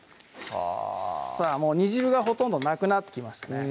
さぁもう煮汁がほとんどなくなってきましたね